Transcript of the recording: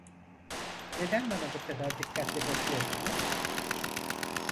Neden bana bu kadar dikkatli bakıyorsunuz?